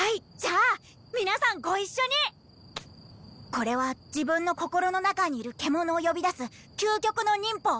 これは自分の心の中にいる獣を呼び出す究極の忍法。